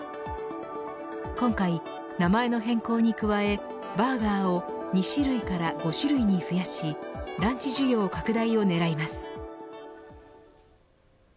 今回名前の変更に加えバーガーを２種類から５種類に増やしランチ需要拡大を狙います。